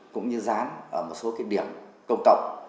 cũng như dán một số cái điểm công cộng